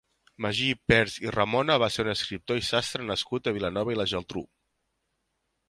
Magí Pers i Ramona va ser un escriptor i sastre nascut a Vilanova i la Geltrú.